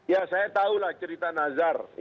ya saya tahu lah cerita nazar